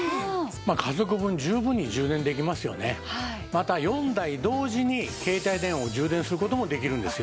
また４台同時に携帯電話を充電する事もできるんですよ。